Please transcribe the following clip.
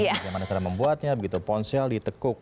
bagaimana cara membuatnya begitu ponsel di tekuk